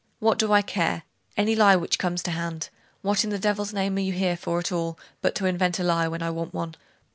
'What do I care? Any lie which comes to hand. What in the devil's name are you here for at all, but to invent a lie when I want one?